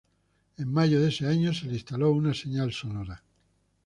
En mayo de ese año se le instaló una señal sonora.